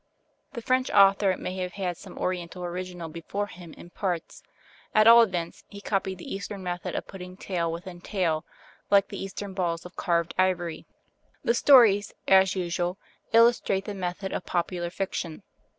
The French author may have had some Oriental original before him in parts; at all events he copied the Eastern method of putting tale within tale, like the Eastern balls of carved ivory. The stories, as usual, illustrate the method of popular fiction.